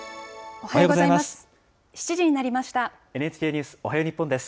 おはようございます。